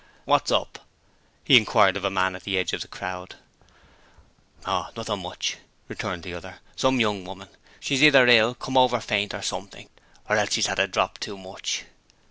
'What's up?' he inquired of a man on the edge of the crowd. 'Oh, nothing much,' returned the other. 'Some young woman; she's either ill, come over faint, or something or else she's had a drop too much.'